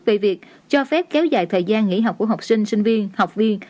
về việc cho phép kéo dài thời gian nghỉ học của học sinh sinh viên học viên